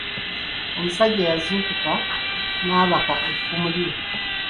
Omusajja yazuukuka n’abaka effumu lye.